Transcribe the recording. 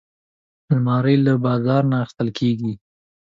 الماري له بازار نه اخیستل کېږي